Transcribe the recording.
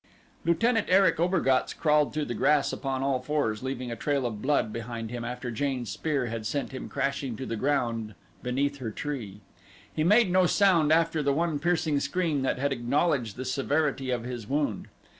Lieutenant Erich Obergatz crawled through the grass upon all fours, leaving a trail of blood behind him after Jane's spear had sent him crashing to the ground beneath her tree. He made no sound after the one piercing scream that had acknowledged the severity of his wound.